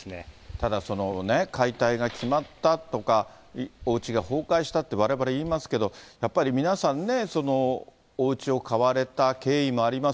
ただその、解体が決まったとか、おうちが崩壊したってわれわれ言いますけど、やっぱり皆さんね、おうちを買われた経緯もあります。